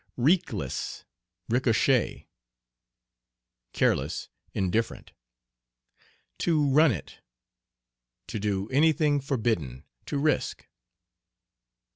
"Reekless, ricochet." Careless, indifferent. "To run it." To do any thing forbidden. To risk.